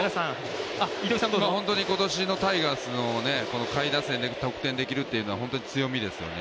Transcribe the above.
本当に今年のタイガースのこの下位打線で得点ができるっていうのは本当に強みですよね。